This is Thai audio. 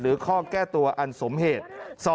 ข้อแก้ตัวอันสมเหตุ